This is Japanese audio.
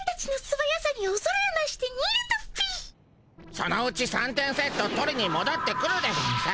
そのうち３点セット取りにもどってくるでゴンス。